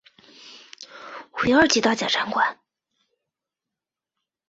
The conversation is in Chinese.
为二级大检察官。